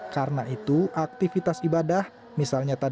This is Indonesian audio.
karena itu aktivitas ibadah misalnya terhubung